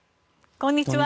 こんにちは。